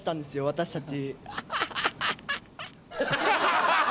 私たち。